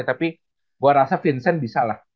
tapi gue rasa vincent bisa lah